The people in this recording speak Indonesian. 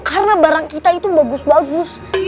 karena barang kita itu bagus bagus